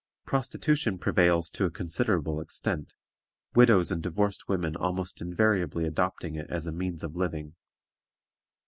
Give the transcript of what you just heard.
Prostitution prevails to a considerable extent, widows and divorced women almost invariably adopting it as a means of living.